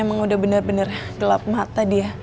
karin emang udah bener bener gelap mata dia